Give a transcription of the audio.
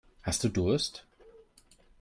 Hast du Durst?